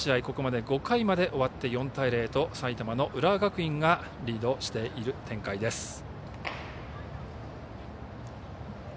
ここまで５回まで終わって４対０と埼玉の浦和学院がリードしている展開です。